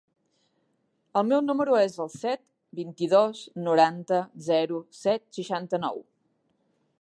El meu número es el set, vint-i-dos, noranta, zero, set, seixanta-nou.